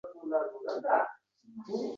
Yog’ilarkan har ikki yoqdan